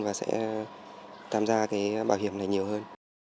và sẽ tham gia cái bảo hiểm này nhiều hơn